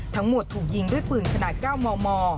ทั้งหมดถูกยิงด้วยปืนขนาด๙มม